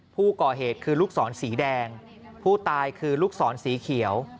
ผู้ก่อเหตุคือลูกศรสีแดงผู้ตายคือลูกศรสีเขียว